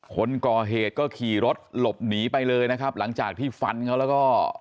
คนก่อเหตุก็ขี่รถหลบหนีไปเลยนะครับหลังจากที่ฟันเขาแล้วก็